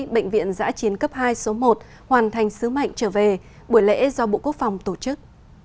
bệnh viện giã chiến cấp hai số một hoàn thành sứ mệnh trở về buổi lễ do bộ quốc phòng tổ chức